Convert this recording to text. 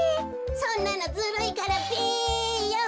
そんなのずるいからべよ。